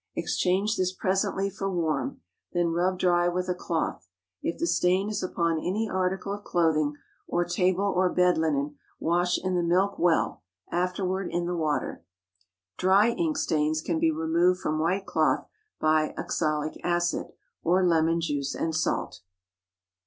Exchange this presently for warm; then rub dry with a cloth. If the stain is upon any article of clothing, or table, or bed linen, wash in the milk well, afterward in the water. Dry ink stains can be removed from white cloth by oxalic acid, or lemon juice and salt.